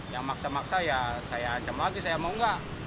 yang maksa maksa ya saya ancam lagi saya mau enggak